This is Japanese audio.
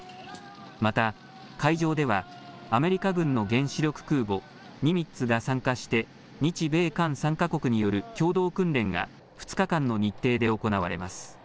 また、海上ではアメリカ軍の原子力空母ニミッツが参加して、日米韓３か国による共同訓練が２日間の日程で行われます。